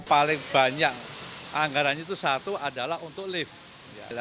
paling banyak anggarannya itu satu adalah untuk lift